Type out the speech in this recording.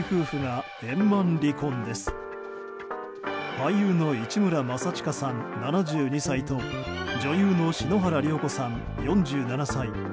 俳優の市村正親さん、７２歳と女優の篠原涼子さん、４７歳。